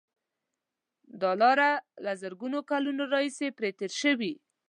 دا لاره له زرګونو کلونو راهیسې پرې تېر شوي.